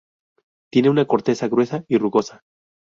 Tiene una corteza gruesa y rugosa.